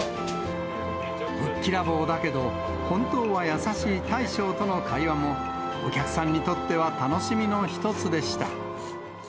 ぶっきらぼうだけど、本当は優しい大将との会話も、お客さんにとっては楽しみの一つでした。